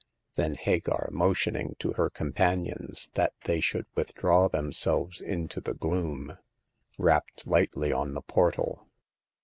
Then Hagar, motioning to her companions that they should withdraw themselves into the gloom, rapped lightly on the portal.